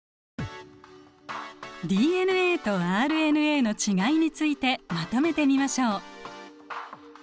ＤＮＡとＲＮＡの違いについてまとめてみましょう。